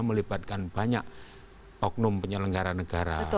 melibatkan banyak oknum penyelenggara negara